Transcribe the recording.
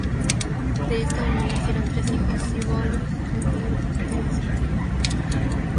De esta unión nacieron tres hijos: Siboney, Clotilde y Teresa.